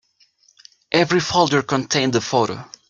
Every folder contained a photo.